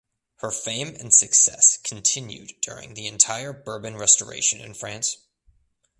Her fame and success continued during the entire Bourbon Restoration in France.